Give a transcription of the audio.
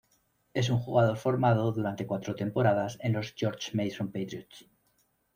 Es un jugador formado durante cuatro temporadas en los George Mason Patriots.